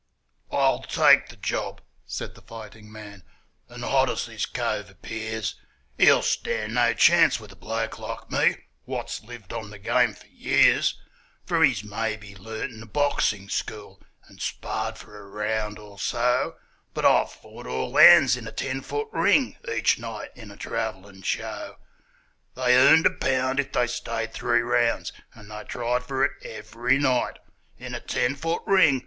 'I'll take the job,' said the fighting man; 'and hot as this cove appears, He'll stand no chance with a bloke like me, what's lived on the game for years; For he's maybe learnt in a boxing school, and sparred for a round or so, But I've fought all hands in a ten foot ring each night in a travelling show; They earned a pound if they stayed three rounds, and they tried for it every night In a ten foot ring!